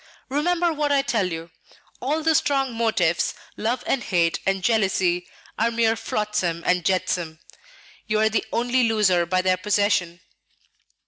Remember what I tell you, all the strong motives, love and hate and jealousy, are mere flotsam and jetsam. You are the only loser by their possession."